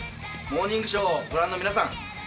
「モーニングショー」をご覧の皆さん！